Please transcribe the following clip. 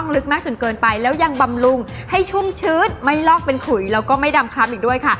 ลึกมากจนเกินไปแล้วยังบำรุงให้ชุ่มชื้นไม่ลอกเป็นขุยแล้วก็ไม่ดำคล้ำอีกด้วยค่ะ